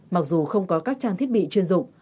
mặc dù không có các trang thiết bị chuyên dụng